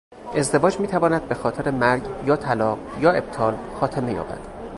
ازدواج میتواند به خاطر مرگ یا طلاق یا ابطال خاتمه یابد.